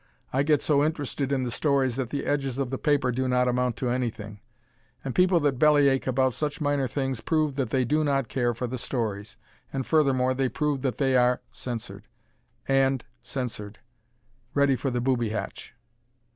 I get so interested in the stories that the edges of the paper do not amount to anything; and people that bellyache about such minor things prove that they do not care for the stories, and furthermore they prove that they are [censored] and [censored] ready for the booby hatch.